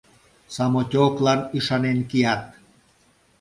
Самотёклан ӱшанен кият!